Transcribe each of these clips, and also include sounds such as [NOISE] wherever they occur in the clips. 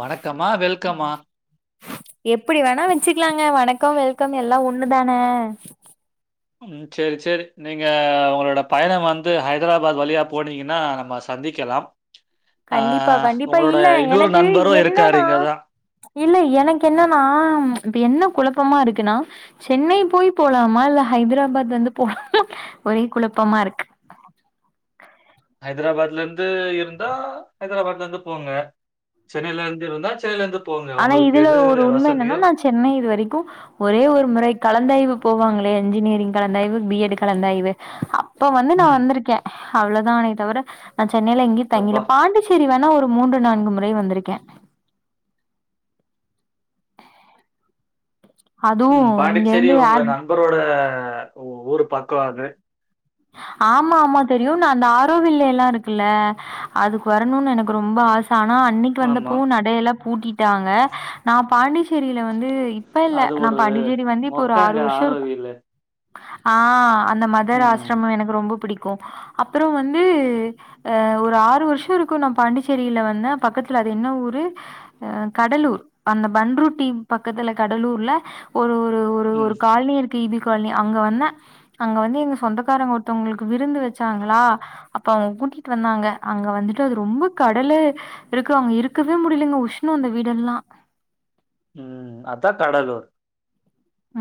வணக்கம்மா வெல்க்கம்மா வச்சிக்கலாங்க வணக்க வெல்க எல்லா ஒண்ணுதானே ம் சேரி செரி நீங்க உங்களோட பயணம் வந்து ஹைதராபாத் வழியா போனிங்கனா நம்ம சந்திக்கலாம் ஆ கண்டிப்பா கண்டிப்பா உங்களோட இல்ல இன்னொரு எனக்கு நண்பரும் இருக்காரு என்னனா இங்க தான். இல்ல எனக்கு என்னனா ப்ப என்ன குழப்பமா இருக்குனா சென்னை போயி போலாமா இல்ல ஹைதராபாத் வந்து போலாமா ஒரே குழப்பமா இருக்கு ஹைதராபாத்ல இருந்து இருந்தா ஹைதராபாத்ல இருந்து போங்க சென்னையல இருந்து இருந்தா சென்னையல இருந்து ஆனா இதுல ஒரு உண்மை என்னனா நா சென்னை இது வரைக்கு ஒரே ஒரு முறை கலந்தாய்வு போவாங்களே என்ஜினியரிங் கலந்தாய்வு பிஎட் கலந்தாய்வு அப்போ வந்து நா ம். வந்துருக்கே அவ்ளதானே தவிர நா சென்னையில எங்கி அப்பா! தங்கில பாண்டிசேரி வந் நா ஒரு மூன்று நான்கு முறை வந்திருகே அதுவு ம் இங்க பாண்டிசேரி இருந்து ஏர் உங்க நண்பரோட அ ஊரு பக்கோ அது ஆம்மா ஆம்மா தெரியுநா அந்த ஆரோவில்லையல்லா இருக்குல்ல அதுகு வரணனு எனக்கு ரொம்ப ஆச ஆனா அன்னைக்கு வந்த ஆமா. போ நடையில பூட்டிடாங்க நா பாண்டிசேரியில வந்து ந்து யிப்பேயில்ல அது நா ஒரு பாண்டிச்சேரி வந்து இப்ப ஒரு ஆறு மொக்கங்க வருஷோ இருக்கு ஆரோவில்லு. ஆ ந்த மதர் ம். ஆஸ் எனகு ரொம்ப பிடிக்கு அப்புறோ வந்து ஒரு ஆறு வருஷ யிருக்கு நா பாண்டிசேரியில வந்த பக்கத்துல அது என்ன ஊரு அ கடலூர் அந்த பண்ருட்டி பக்கத்துல கடலூர்ல ஒரு ஒரு ம். ஒரு காலனி இருக் டிபி கால்னி அங்க வந்த அங்க வந்து எங்க சொந்த த்தாரோ ஒருத்தவங்களுக் விரு ருந்து வச்சாங்களா அப்ப அவங்க கூடிட்டு வந்தாங்க அங்க வந்துட்டு அது ரொம்ப கடலு யிருக்கு அவங்க இருக்வே முடியலிங்க உஷ்ண அந்த வீடெல்லா ம் அத்தா கடலூர்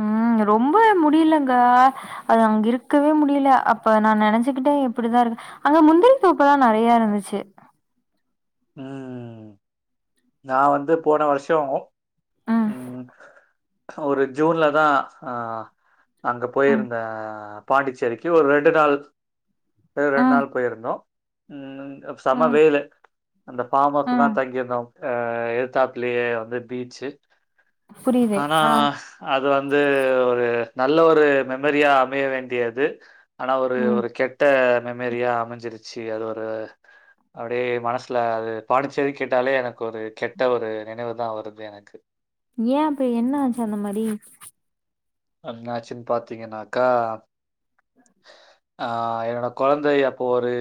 ம் ரொம்ப முடியலங்க அது அங்க இருக்வே முடில அப்ப நா நினச்சிக்கிடே எப்டிதா யிருக்க அங்க முந்திரிக்தோபல்லா நெறய இருந்துச்சி ம் நா வந்து போன வருஷோ ம் ஒரு ஜூன்ல தா ஆ அங்க ம். போயிருந்தே பாண்டிச்சேரிக்கு ஒரு ரெண்டு நாள் ரெண்டு ம். நாள் போயிருந்தோ ம் செம ம். வெயிலு அந்த பாம்அவுஸ்ல தா ம். தங்கிருந்தோ அ எழுதாபுளையே வந்து பீச்சு புரியுது. ஆனா ஆ, அது அது வந்து ஒரு நல்ல ஒரு மெமரியா அமைய வேண்டியது ஆனா ஒரு ம். ஒரு கெட்ட மெமரியா அமைஞ்சிருச்சு அது ஒரு அப்டியே மனசுல அது பாண்டிச்சேரி கேட்டாலே எனக்கு ஒரு கெட்ட ஒரு நினைவு தா வருது எனக்கு ஏன் அப்ப என்ன ஆச்ச அந்த மாரி என்ன ஆச்சுன்னு பாத்தீங்கன்னாக்கா உஹ [UNINTELLIGIBLE] ஆ என்னோட கொழந்தை அப்போ ஒரு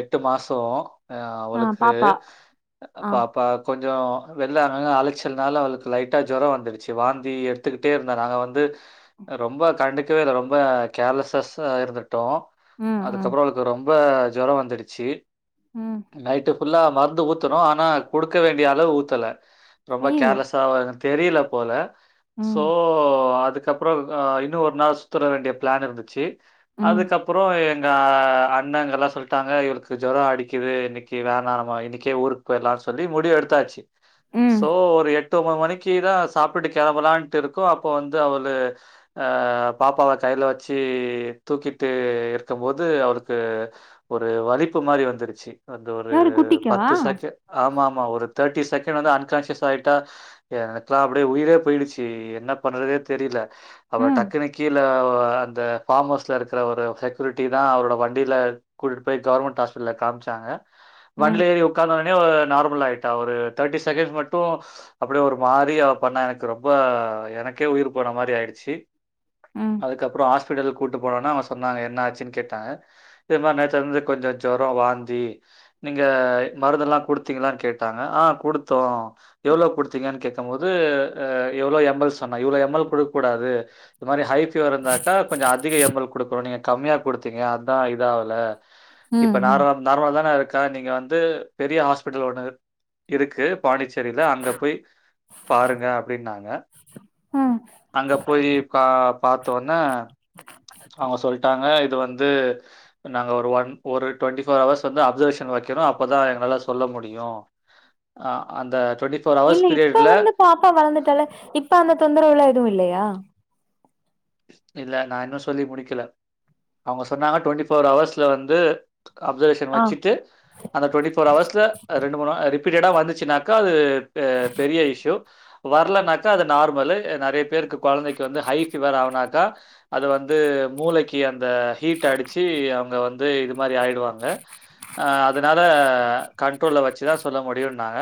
எட்டு மாசோ அ ஆ அவளுக்கு பாப்பா. ஆ. பாப்பா கொஞ் கொஞ்சோ வெள்ளாங்க அழைச்சல்னால அவளுக்கு லைட்டா ஜோரோ வந்துடுச்சு வாந்தி எடுத்துக்கிட்டே இருந்தா நாங்க வந்து ரொம்ப கண்டுக்கவே இல்ல ரொம்ப கேர்லஸ்சஸ்சா இருந்து டோ ம், ம், அதுக்கப்பறோ அவளுக்கு ரொம் ப ஜோரோ வந்துடுச்சு ம். நைட்டு்ப் ஃபுல்லா மருந்து ஊத்துநோ ஆனா குடுக்க வேண்டிய அளவு ஊத்தல ரொம்ப அய்யய்யோ! கேர்லஸ்ஸாவு இருந் தெரில போல ம், சோ அதுக் அப்பறோ இன்னு ஒரு நாள் சுற்றுற வேண்டிய ப்ளான் இருந்துச்சு ம், அதுக்கப்புறோ எங்க அண்ணன்ங்கெல்லா சொல்லிட்டாங்க இவளுக்கு ஜோரோ அடிக்குது இன்னைக்கு வேணா நம்ம இணைகே ஊருக்கு போயிடலான்னு சொல்லி முடிவு எடுத்தாச்சு ம். சோ ஒரு எட் எட்டு ஒன்பது மணிக்கு தா சாப்பிட்டு கிளம்பலான்ட்டு இருக்கு அப்போ வந்து அவளு அ பாப்பாவ கையில வச்சு தூக்கிட்டு இருக்கும்போது அவளுக்கு ஒரு வலிப்பு மாரி வந்துருச்சு அது ஒரு யாரு குட்டிக்கா? பத்து சாக் ஆமா ஆமா ஆமா ஒரு தேர்டி செகண்ட் வந்து அன்கான்சியஸ் ஆட்டா எனக்கலா அப்டியே உயிரே போயிடுச்சு என்ன பண்றதே தெரில அப்புறோ ம், டக்குனு கீழ வ இந்த ஃபார்ம் ஹவுஸ்ல இருக்கிற ஒரு செக்யூரிட்டி தா அவரோட வண்டியில கூட்டிட்டு போய் கவர்மெண்ட் ஹாஸ்பிட்டல காமிச்சாங்க ம், ம், வண்டில ஏறி உக்காந்தோனே ஒரு நார்மல் ஆயிட்டா ஒரு தேர்ட்டி செகண்ட் மட்டு அப்டியே ஒரு மாரி அவ பண்ணா எனக்கு ரொம்ப எனக்கே உயிர் போன மாரி ஆயி ச்சி ம், அதுக்கப்புறோ ஆஸ் ஹாஸ்பிடலுக்கு கூப்ட்டு போனோனா அவுங்க சொன்னாங்க என்ன ஆச்சுன்னு கேட்டாங்க இதே மாரி நேத்துலந்து கொஞ்சோ ஜொரோ வாந்தி நீங்க மருந்தெல்லா கொடுத்தீங்களான்னு கேட்டாங்க ஆ கொடுத்தோ எவ்ளோ கொடுத்தீங்கன்னு கேட்கும்போது அ எவ்ளோ எம்எல் சொன்னா இவ்ளோ எம்எல் கொடு கூடாது இது மாரி ஹை ஃபீவர் வந்தாக்கா கொஞ்சோ அதிக எம்எல் கொடுக்கோன்னு நீங்க கம்மியா கொடுத்தீங்க அதா இதாவல இப்ப ம், நார்ல் நார்மல தானே இருக்கு த நீங்க வந்து பெரிய ஹாஸ்பிட்டல் ஒன்னு இருக்கு பாண்டிச்சேரில அங்க போய் பாருங்க அப்டின்னாங்க ம் அங்க போயி கா பாத்த ஒன்னே அவுங்க சொல்ட்டாங்க இது வந்து நாங்க ஒரு ஒன் ஒரு டொண்ட்டி போர் ஹவர்ஸ் வந்து அப்சர்வேஷன்ல வைக்கரோ அப்பதா எங்களால சொல்ல முடியும் ஆ அந்த இல்ல ஹவர்ஸ் இப்ப பீரியட்ல வந்து பாப்பா வளந்துட்டா இல்ல இப்ப அந்த தொந்தரவுளா எதுவு இல்லையே ஆ இல்ல நான் இன்னும் சொல்லி முடிக்கல அவுங்க சொன்னாங்க டொண்ட்டி ஃபோர் ஹவர்ஸ்ல வந்து அப்சர்வேஷன் ஆ. வச்சிட்டு அந்த டொண்ட்டி போர் அவர்ஸ்ல ரெண்டு மூணு ஆ ரிப் ரிபீட்டடா வந்துச்சுன்னாக்கா அது பெ பெரிய இஷிவ் வரலனாக்கா அது நார்மலு நெறயா பேருக்கு கொழந்தைக்கு வந்து ஹை பீவர் ஆவு க்கா அது வந்து மூளைக்கு அந் த ஹீட் அடிச்சு அவுங்க வந் து இது மாரி ஆயிடுவாங்க ஆ அதனால கண் ட்ரோல் வச்சிதா சொல்ல முடியும் இன்னாங்க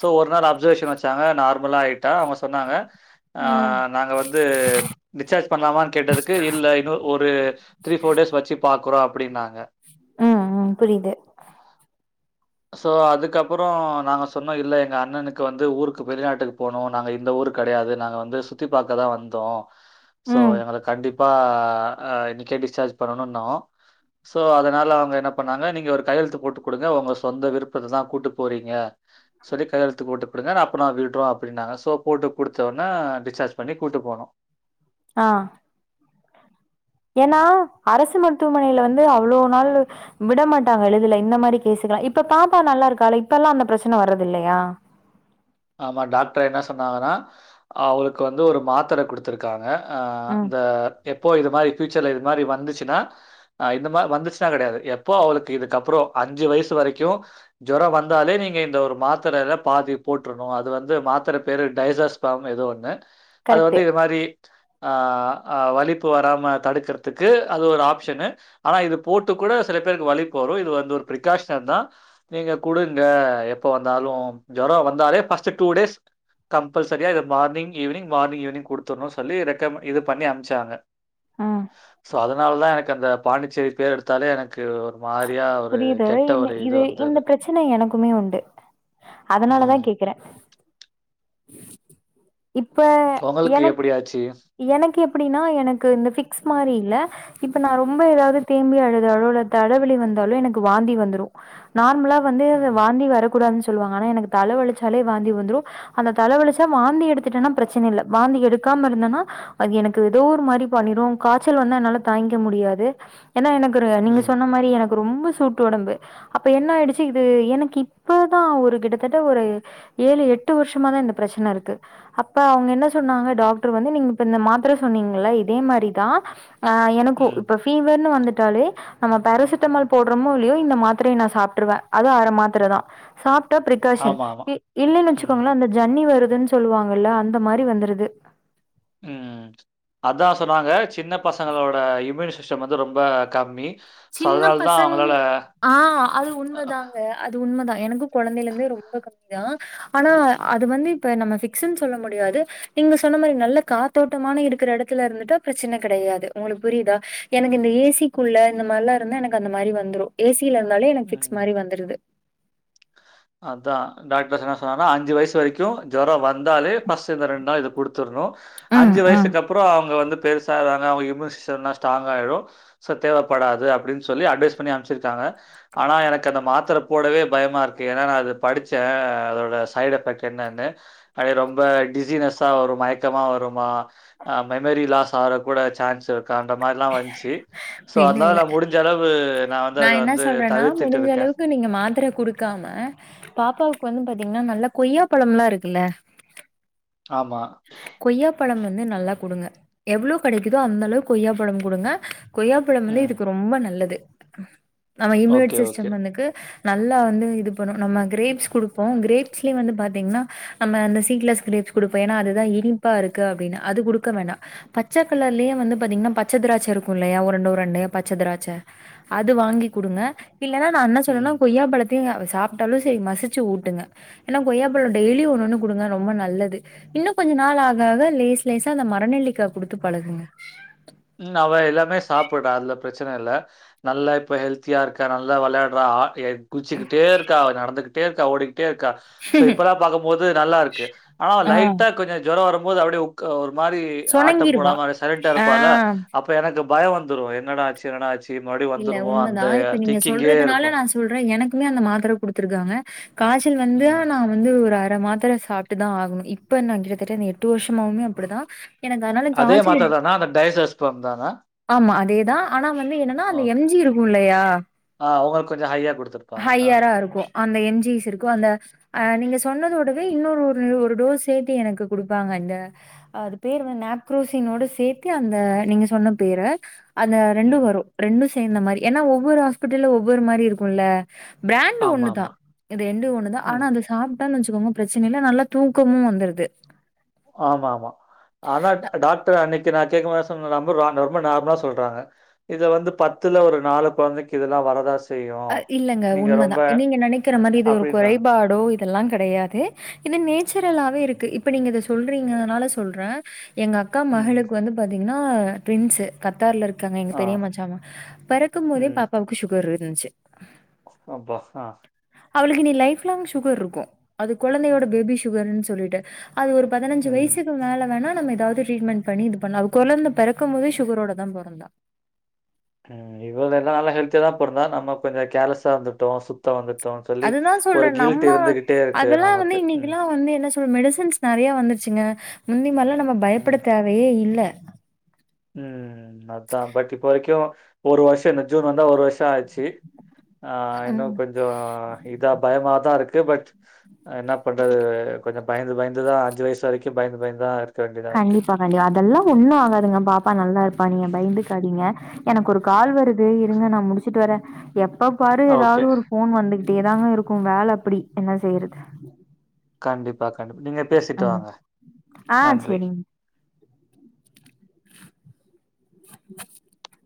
சோ ஒரு நாள் அப்சர்வேஷன் வச்சாங்க நார்மலா ஆயிட்டா அவுங்க சொன்னாங்க ஆ ம், நாங்க வந் து டிசார்ஜ் பண்ணலாமான்னு கேட்டதுக்கு இல்ல இன்னொ ஒரு த்ரீ போர் டேஸ் வச்சி பாக்குறோ அப்டின்னாங்க ம் ம் புரிது சோ அதுக்கப்புற நாங்க சொன்னோம் இல்ல எங்க அண்ணனுக்கு வந்து ஊருக்கு வெளிநாட்டுக்கு போனு நாங்க இந்த ஊரு கெடையாது நாங்க வந்து சுத்தி பாக்கதா வந்தோ சோ ம். எங்கள கண்டிப்பா ஆ இன்னைக்கே டிஸ்சார்ஜ் பண்ணணும் இன்னோ சோ அதனால அவுங்க என்ன பண்ணாங்க நீங்க ஒரு கையெழுத்து போட்டு கொடுங்க உங்க சொந்த விருப்பத்தல தா கூட்டு போறீங்க சொல்லி கையெழுத்து கூட்டு குடுங்க நா அப்பனா விடுறோ அப்டின்னாங்க சோ போட்டு குடுத்த ஒன்னே டிஸ்சார்ஜ் பண்ணி கூட்டு போனோ ஆ ஏன்னா அரசு மருத்துவமனைல வந்து அவ்ளோ நாளு விடமாட்டாங்க எழுதுல இந்த மாரி கேஸ்குலா இப்ப பாப்பா நல்லா இருக்கால இப்பல்லா அந்த பிரச்சன வறதில்லையா ஆமா டாக்டர் என்ன சொன்னாங்கன்னா அவுளுக்கு வந்து ஒரு மாத்ர குடுத்துருக்காங்க ஆ ம். இந்த எப்போ இது மாரி பியூச்சர்ல இது மாரி வந்துச்சுன்னா ஆ இந்த மாரி வந்துச்சுன்னா கெடையாது எப்போ அவுளுக்கு இதுக்கப்புற அஞ்சு வயசு வரைக்கு ஜொரம் வந்தாலே நீங்க இந்த ஒரு மாத்ரல பாதி போட்டுறணு அது வந்து மாத்தர பேரு டைசர்ஸ் பாம் ஏதோ ஒன்னு அது கரெக்ட்டு. வந்து இது மாரி ஆ ஆ வலிப்பு வராம தடுக்கிறதுக்கு அது ஒரு ஆப்ஷனு ஆனா இது போட்டு கூட சில பேருக்கு வலிப்பு வரும் இது வந்து ஒரு பிரகாஷன் தான் நீங்க குடுங்க எப்ப வந்தாலு ஜொரம் வந் தாலே பஸ்ட்டு டூ டேஸ் கம்பல்சரியா இத மார்னிங் ஈவினங் மார்னிங் ஈவினிங் குடுத்துறன்னு சொல்லி ரெக்கமெ இது பண்ணி அம்ச்சாங்க ம். சோ அதனாலதா எனக்கு அந்த பாண்டி சரி பேர் எடுத்தாலே எனக்கு ஒரு மாரியா ஒரு புரியுது கெட்ட இந்த ஒரு இது இந்த வந்தது பிரச்சனை எனக்குமே உண்டு அதனாலதா ம் கேக் கிறன் இப்ப உங்களுக்கு எனக் எப்டி ஆச்சு எனக்கு எப்டின்னா எனக்கு இந்த பிக்ஸ் மாரி இல்ல இப்ப நா ரொம்ப ஏதாவது தேம்பி அழுதாலோ இல்ல தலவலி வந்தாலோ எனக்கு வாந்தி வந்துரு நார்மலா வந்து ம் வாந்தி வர கூடாது சொல்லுவாங்க ஆனா எனக்கு தலைவலிசாலே வாந்தி வந்துரு அந்த தலைவலிச்சா வாந்தி எடு ட்டேனா பிரச்சன இல்லை வாந்தி எடுக்காம இருந்தேன்னா அது எனக்கு ஏதோ ஒரு மாரி பண்ணிரு காய்ச்சல் வந்தா என்னால தாங்கிக்க முடியாது ஏன்னா எனக்கு நீங்க ம் சொன்ன மாரி எனக்கு ரொம்ப சூட்டு உடம்பு அப்ப என்ன ஆயிடுச்சு இது எனக்கு இப்பதா ஒரு கிட்டத்தட்ட ஒரு ஏழு எட்டு வருஷமாதா இந்த பிரச்சன இருக்கு அப்ப அவங்க என்ன சொன்னாங்க டாக்டர் வந்து நீங்க இப்ப இந்த மாத்திரை சொன்னீங்கல இதே மாதிரிதா ஆ எனக்கு ம் இப்ப ஃபீவர்ன்னு வந்துட்டு ட்டாலே நம்ம பேராசிட்டமால் போடுறோமோ இல்லையோ இந்த மாத்திரைய நா சாப்பிட்டுருவே அது அர மாத்திர தா சாப் ட்ட பிரிகாஷன் ஆமா ஆமா இல்லைன்னு ம் வச்சுக்கோங்களே அந்த ஜன்னி வருது துன்னு சொல்லுவாங்க ஒரு வேல அந்த மாதிரி வந்துருது ம் அதா சொன்னாங்க சின்ன பசங்களோட இம்யூனி விஷம் வந்து ரொம்ப கம்மி சோ சின்ன அதனால தா அவங்களால பசங்க ஆ அது உண்மதாங்க அது உண்மதா எனக்கு குழந்தையில இருந்தே ரொம்ப கம்மி தா ஆனா அது வந்து இப்ப நம்ம ஃபிக்ஸ் னு சொல்ல முடியாது நீங்க சொன்ன மாதிரி நல்ல காத்தோட்டமான இருக்கிற எடத்துல இருந்துட்டா பிரச்சனை கிடையாது உங்களுக்கு புரியுதா எனக்கு இந்த ஏசிக்குள்ள இந்த மாதிரிலாருந்தா எனக்கு அந்த மாதிரி வந்துரு ஏசி கீழயிறுந்தாலே எனக்கு ஃபிக்ஸ் மாதிரி வந்துருது அதா டாக்டர் என்ன சொன்னார் னா அஞ்சு வயசு வரைக்கு ஜொரோ வந் வந்தாரு ஃபஸ்ட் இந்த ரெண்டு நாள் இருந் கொடுத்துருணு ம், அஞ்சு ம். வயசுக்கு அப்புறோ அவங்க வந்து பெருசா எதானா ஒரு இம்முனி சிஸ்டம் இருந்தா ஸ்ட்ராங் ஆகிடும் சோ தேவப்படதுப்படின்னு சொல்லி அட்வைஸ் பண்ணி அமுச்சிவச்சாங்க ஆனா எனக்கு அந்த மாத்தர போடவே பயமாக இருக் என்னனா அது படிச்சே அதோட சைடு எஃப்பெக்ட் என்னனு அது ரொம்ப டிசினஸ்தா வரு மயக்கமா வருமா அ மெமரி லாஸ் ஆகுறதுக்கு கூட சான்ஸ் இருக் க்கு அந்த மாதிரிலா வந்துச்சு சோ அதனால நா முடிஞ்ச அளவு நான் வந்து நா அத என்ன வந்து சொல்றேன்னா தவிர்த்துட்டு முடிஞ்ச இருக்கேன். அளவுக்கு நீங்க மாத்ர கொடுக்காம பாப்பாவுக்கு வந்து பார்த்தீங்கன்னா நல்லா கொய்யா ப்பழம்லா இருக்குல்ல ஆமா. கொய்யா பழம் வந்து நல்லா குடுங்க எவ்ளோ கிடைக்குதோ அந்த அளவுக்கு கொய்யா பழம் குடுங்க கொய்யாப்பழம் வந்து ம். இதுக்கு ரொம்ப நல்லது [INAUDIBLE] நம்ம ஓகே, இம்யூனிட் ஓகே. சிஸ்டம் வந்துக்கு நல்லா வந்து இது பண்ணும் நம்ம கிரேப்ஸ் கொடுப்போ கிரேப்ஸ்லேயு வந்து பார்த்தீங்னா நம்ம அந்த சீட்லெஸ் கிரேப்ஸ் குடுப்போ ஏன்னா அது இனிப்பா இருக்கு அப்டின்னு அது குடுக்க வேண்டா பச்சைக்கலர்லையே வந்து பாத்தீங்னா பச்ச திராட்சை இருக்கு இல்லையா உருண்ட உருண்டையா பச்ச திராட்சை அது வாங்கி குடுங்க இல்லன்னா நா என்ன சொல்றேனா ம். கொய்யா பழத் தையும் அவ சாப்ட்டாலு செரி மசிச்சு ஊட்டுங்க ஏன்னா கொய்யாப்பழ டெய்லியு ஒன்னு ஒன்னு குடுங்க ரொம்ப நல்லது இன்னும் கொஞ்ச நாள் ஆக ஆக லேஸ் லேசா அந்த மரநெல்லிக்கா குடுத்து பழக்குங்க உம் அவ எல்லாமே சாப்பிடுறா அதுல பிரச்சன இல்ல நல்லா இப்ப ஹெல்த்தியா இருக்கா நல்லா விளையாடுறா ஆ குதுச்சுக்கிட்டே இருக்கா அவ நடந்துகிட்டு தேர்க்க ஓடி இருக்கா சோ இப்பல்லா பாக்கும்போது நல்லா இருக்கு ஆனா ஆ. லைட்டா கொஞ்சோ ஜொரோ வர போது அப்டியே உட்கா இது மாரி ஆட்டம் சொனங்கிருவா. போடாம சைலண்ட்டா இருப்பால ஆ. எனக்கு பயொ வந்துரு என்னடா ஆச்சு என்னடா ஆச்சு மறுபடியும் இல்ல வந்துருமோ? அந்த உண்மதா இப்ப நீங்க திங்கிங்கே சொல்றதுனால இருக்கும். நா சொல்றே எனக்குமே அந்த மாத்ர குடுத்துருக்காங்க காய்ச்சல் வந்து ம். நான் வந்து ஒரு அப்புற மாத்ர சாப்ட்டுதா ஆகணு இப்ப நா கிட்டத்தட்ட அந்த எட்டு வருஷமாவுமே அப்டிதா எனக்கு அதனால அதே காய்ச்சல் மாத்திரை தானா? அந்த டைசஸ்பம் தானா? ஆமா அதேதா ஆனா வந்து என் அந்த ஓகே. எம் ஜி இருக்கு இல்லையா ஆ ஒங்களுக்கு கொஞ்சோ ஹையா குடு ஹையரா இருக்கு அந்த எம் ஜிஸ் இருக்கு அந்த அ நீங்க சொன்னதோடவே இன்னொரு ஒரு டோஸ் சேத்து எனக்கு குடுப்பாங்க இந்த அது பேர் வந்து நாப்ரோசினோட சேத்து அந்த நீங்க சொன்ன பேர அந்த ரெண்டு ம். வரு ரெண்டு சர் மாரி ஏன்னா ஒவ்வொரு ஹாஸ்பிட்ல்ல ஒவ்வொரு மாரி இருக்குல்ல பிராண்டு ஒண்ணுதா ஆமாமா. இது ரெண்டு ஒண்ணுதா ம். ஆனா அத சாப்ப க்கும் வெச்சுகோங்க பிரச்சன இல்ல நல்லா தூக்கமும் வந்துருது ஆமா ஆமா ஆனா டாக்டர் அன்னைக்கு நா கேக்கும் போது சொன் ரொம்ப நார்மலா சொல்றாங்க இது வந்து பத்துல ஒரு நாலு கொழந்தைக்கு இதெல்லா வரதா செய் அ இல்லங்க உண்மதான் நீங்க நெனைக்கிற மாரி இது ஒரு அப்படின்றாங்க. குறைபாடோ இதெல்லாங் கெடையாது இன்னு நேச்சுரலாவே இருக்கு இப்ப நீங்க இத சொல்ரிங்கனால சொல்றன் எங்க அக்கா ம். மகளுக்கு வந்து பாத் இன்னா டுவின்ஸு கத்தார்ல இரு க்காங்க எங்க ஆ. பெரிய மச்சாம் பெறக்கும் போதே ம். பாப்பாவுக்கு சுகரு ம் சே [UNINTELLIGIBLE] அப்பா சா அவளுக்கு இனி லைப் லாங் சுகர் இருக்கும் அது குழந்தையோட பேபி சுகர்ன்னு சொல்லிட்டு அது ஒரு பதினெஞ்சு ம். வயிசுக்கு மேல வேணா நம்ம எதாவது ட்ரீட்மெண்ட் பண்ணி இது பண்ணா கொழந்த பெறக்கும் போதே சுகரோட தா பொறந்தா ம் இவ வெ நல்லா ஹெல்த்தியா தான் பொறந்தா நம்ம கொஞ்சம் கேர்லெஸா இருந்துட்டோம் சுத்தம் வந்து அதுதான் சொல்றேன் நம்ம வ இருக்கு அதெல்லாம் வந்து நமக்கு. ம். இன்னைக்குல்லாம் வந்து என்ன சொ துரு மெடிசன்ஸ் நறையா வந்துருச்சிங்க முந்திமார்லா நம்ம ம். பயப்பட தேவையே இல்ல ம் அதான் பட் இப்போ வரைக்கும் ஒரு வருஷ இந்த ஜூன் வந்தா ஒரு வருஷம் ஆச்சி ஆ இன்னும் ம். கொஞ்சம் இதா பயமாதான் இருக் கு பட் ஆ என்ன பண்றது கொஞ்சம் பயந்து பயந்துதான் அஞ்சி வயசு வரைக்கும் பயந்து பயந்து தான் இரு கண்டிப்பா கண்டிப்பா அதெல்லாம் ஒண்ணும் ஆகாதுங்க பாப் பா நல்லா இருப்பா நீங்க பயந்துகாதிங்க எனக்கு ஒரு கால் வருது இருங்க நான் முடிச்சிட்டு வரே எப்ப பாரு ஓகே. எதாவது ஒரு போன் வந்து டேதாங்க இருக்கும் வேல அப்பிடி என்ன செய்யறது கண்டிப்பா கண்டிப் நீங்க பேசிட்டு ம். வாங்க ஆ நன்றி சரிங்க. [UNINTELLIGIBLE]